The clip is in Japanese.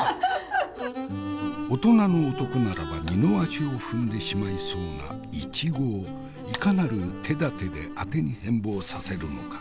大人の男ならば二の足を踏んでしまいそうないちごをいかなる手だてであてに変貌させるのか。